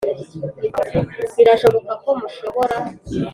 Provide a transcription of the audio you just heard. birashoboka ko mushobora